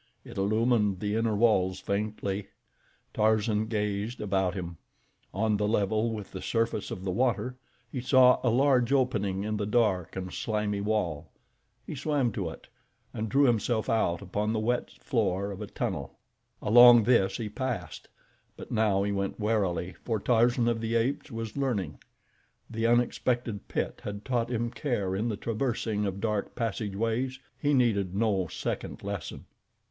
It illumined the inner walls faintly. Tarzan gazed about him. On the level with the surface of the water he saw a large opening in the dark and slimy wall. He swam to it, and drew himself out upon the wet floor of a tunnel. Along this he passed; but now he went warily, for Tarzan of the Apes was learning. The unexpected pit had taught him care in the traversing of dark passageways—he needed no second lesson.